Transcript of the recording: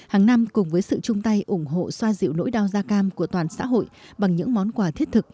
hàng năm cùng với sự chung tay ủng hộ xoa dịu nỗi đau da cam của toàn xã hội bằng những món quà thiết thực